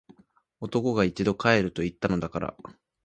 男が一度・・・！！！必ず帰ると言ったのだから！！！